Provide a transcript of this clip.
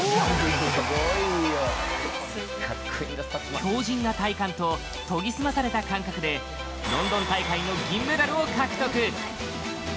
強じんな体幹と研ぎ澄まされた感覚でロンドン大会の銀メダルを獲得。